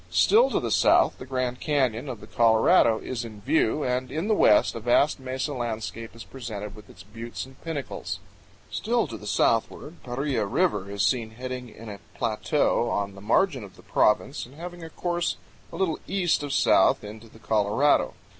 Still to the south the Grand Canyon of the Colorado is in view, and in the west a vast mesa landscape is presented with its buttes and pinnacles. Still to the southward Paria River is seen heading in a plateau on the margin of the province and having a course a little east of south into the Colorado. 84 CANYONS OF THE COLORADO.